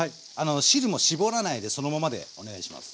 汁もしぼらないでそのままでお願いします。